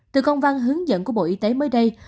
từ công văn hướng dẫn của bộ y tế mới đây